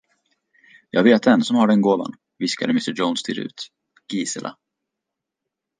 Jag vet en, som har den gåvan, viskade mr Jones till Rut: Gisela.